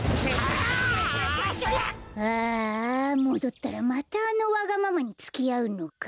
ああもどったらまたあのわがままにつきあうのか。